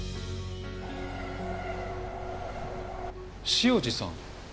潮路さん？